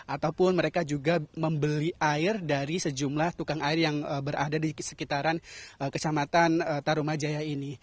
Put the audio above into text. ataupun mereka juga membeli air dari sejumlah tukang air yang berada di sekitaran kecamatan tarumajaya ini